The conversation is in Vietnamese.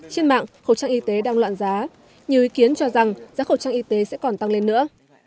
trên mạng khẩu trang y tế đang loạn giá nhiều ý kiến cho rằng giá khẩu trang y tế sẽ còn tăng lên nữa